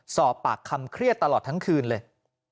สอบปากคำเครียดตลอดทั้งคืนเลย